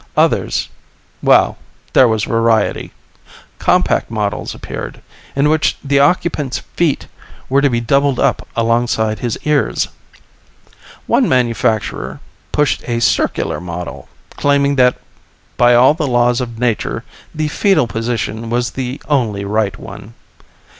Others well, there was variety. Compact models appeared, in which the occupant's feet were to be doubled up alongside his ears. One manufacturer pushed a circular model, claiming that by all the laws of nature the foetal position was the only right one.